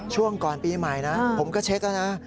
ช่วงก่อนปีใหม่นะผมก็เช็คแล้วนะ